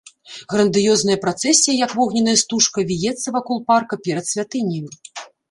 Грандыёзная працэсія як вогненная стужка віецца вакол парка перад святыняю.